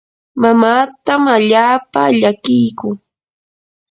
mamaatam allaapa llakiyku.